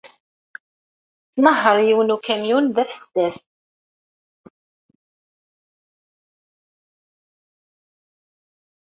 Tnehheṛ yiwen n ukamyun d afessas.